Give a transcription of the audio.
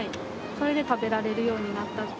それで食べられるようになった。